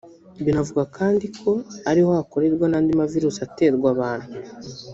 Binavugwa kandi ko ari ho hakorerwa n’andi mavirusi aterwa abantu